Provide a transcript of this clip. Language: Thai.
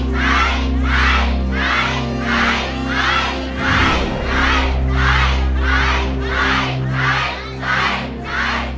ใช้